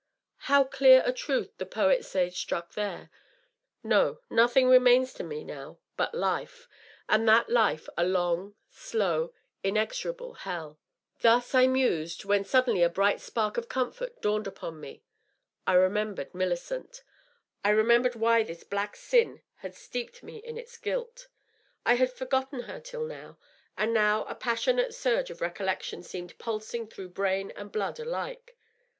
How clear a truth the poet sage struck there !.. No, nothing remains to me now but life — and that life a long, slow, inexorable hell P Thus I mused, when suddenly a bright spark of comfort dawned 618 DOUGLAS DUANE. npon me. I remembered Millioent I remembered why this black«sin had steeped me in its guilt. I had forgotten her till now, and now a passionate surge of recollection seemed pulsing through brain and blood alike.